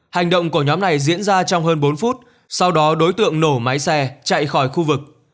hành động của nhóm này diễn ra trong hơn bốn phút sau đó đối tượng nổ máy xe chạy khỏi khu vực